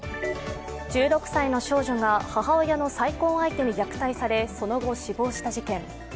１６歳の少女が母親の再婚相手に虐待されその後死亡した事件。